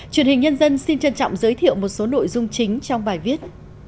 truyền hình nhân dân xin trân trọng giới thiệu một số nội dung chính trong bài viết